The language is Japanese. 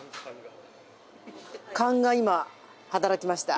勘が今働きました。